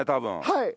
はい！